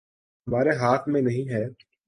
ہمارے ہاتھ میں نہیں ہے